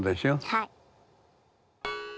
はい。